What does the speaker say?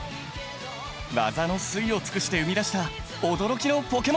技の粋を尽くして生み出した驚きのポケモン！